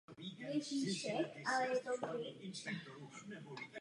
Jako samostatná budova bývá umístěn v zahradě a na vyvýšeném místě.